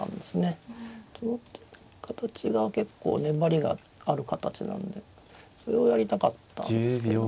その手の形が結構粘りがある形なのでそれをやりたかったんですけども。